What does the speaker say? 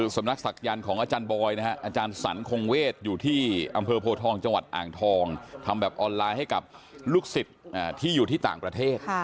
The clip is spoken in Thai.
สำนักศักดิ์หย่านสรรคงเวศอยู่ที่อำเภอโภทองจังหวัดอ่างทองทำแบบออนไลน์ให้กับลูกศิษย์ที่อยู่ที่ต่างประเทศ